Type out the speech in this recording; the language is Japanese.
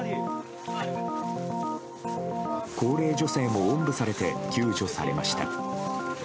高齢女性もおんぶされて救助されました。